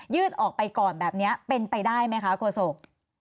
ืดออกไปก่อนแบบนี้เป็นไปได้ไหมคะโฆษก